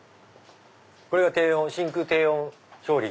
これが真空低温調理。